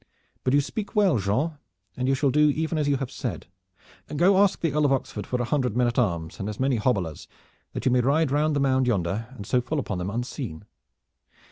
But you speak well, Jean, and you shall do even as you have said. Go ask the Earl of Oxford for a hundred men at arms and as many hobblers, that you may ride round the mound yonder, and so fall upon them unseen.